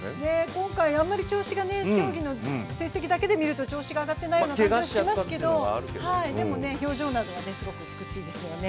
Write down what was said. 今回、あんまり調子が、競技の成績だけで見ると調子が上がっていないようですけれども、でも、表情などはすごく美しいですよね。